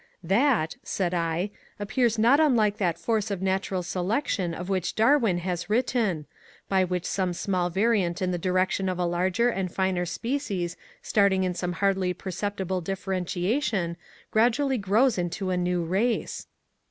^* That," said I, ^* appears not unlike that force of natural selection of which Darwin has written ; by which some small variant in the di rection of a larger and finer species starting in some hardly perceptible differentiation gradually grows into a new race."